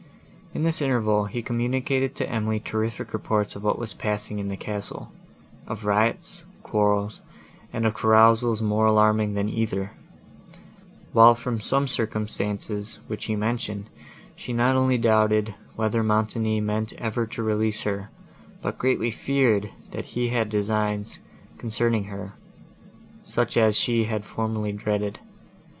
In this interval, he communicated to Emily terrific reports of what was passing in the castle; of riots, quarrels, and of carousals more alarming than either; while from some circumstances, which he mentioned, she not only doubted, whether Montoni meant ever to release her, but greatly feared, that he had designs, concerning her,—such as she had formerly dreaded.